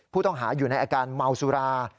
ผู้ต้องหาอยู่ในอาการเมาสุรา